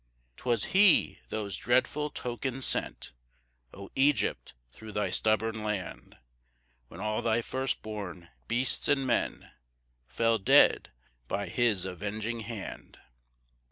3 'Twas he those dreadful tokens sent, O Egypt thro' thy stubborn land; When all thy first born beasts and men Fell dead by his avenging hand.